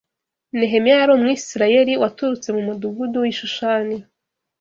Nehemiya yari Umwisirayeli waturutse mu mudugudu w’i Shushani